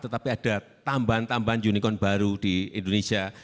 tetapi ada tambahan tambahan unicorn baru di indonesia